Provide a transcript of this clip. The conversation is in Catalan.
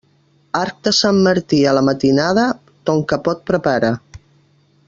Arc de Sant Martí a la matinada, ton capot prepara.